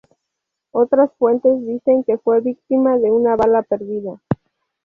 Otras fuentes dicen que fue víctima de una bala perdida.